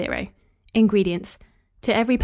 INGREDIENTS. To every lb.